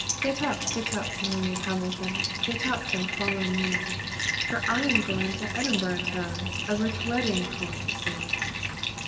"Get up, get up, Marie Hamilton, Get up, and follow me, For I am going to Edinburgh town, A rich wedding for to see."